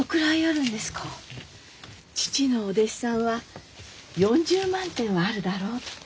父のお弟子さんは４０万点はあるだろうって。